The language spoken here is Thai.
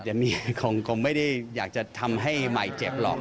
เดมี่คงไม่ได้อยากจะทำให้ไม่เจ็บหรอก